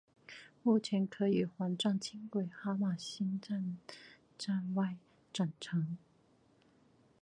目前可与环状轻轨哈玛星站站外转乘。